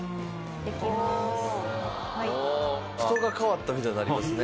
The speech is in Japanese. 人が変わったみたいになりますね。